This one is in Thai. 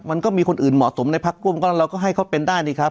มันก็มีคนอื่นเหมาะสมในพักร่วมเราก็ให้เขาเป็นได้นี่ครับ